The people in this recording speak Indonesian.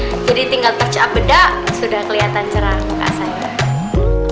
jadi tinggal touch up bedak sudah kelihatan cerah muka saya